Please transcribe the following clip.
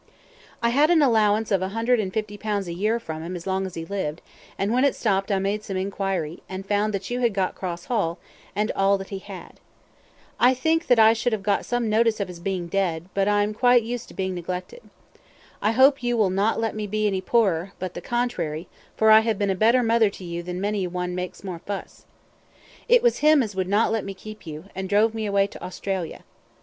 "I had an allowance of a hundred and fifty pounds a year from him as long as he lived, and when it stopped I made some inquiry, and found that you had got Cross Hall and all that he had. I think that I should have got some notice of his being dead, but I am quite used to being neglected. I hope you will not let me be any poorer, but the contrary, for I have been a better mother to you than many a one as makes more fuss. It was him as would not let me keep you, and drove me away to Australia.